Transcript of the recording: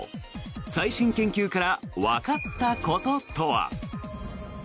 最新研究からわかったこととは。